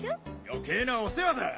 余計なお世話だ！